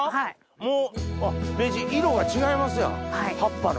もう名人色が違いますやん葉っぱの。